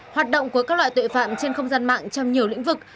hoạt động của các loại tội phạm trên không gian mạng trong nhiều lĩnh vực